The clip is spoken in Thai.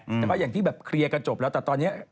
แต่ก็อย่างที่แบบเคลียร์กันจบแล้วแต่ตอนนี้